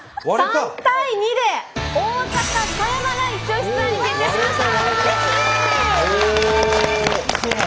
３対２で大阪狭山がイチオシツアーに決定しました。